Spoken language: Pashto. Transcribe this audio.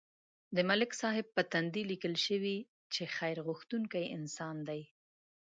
د ملک صاحب په تندي لیکل شوي چې خیر غوښتونکی انسان دی.